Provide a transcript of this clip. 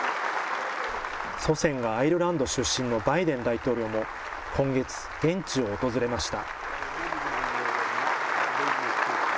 祖先がアイルランド出身のバイデン大統領も、今月、現地を訪れました。